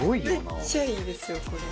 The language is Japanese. めっちゃいいですよ。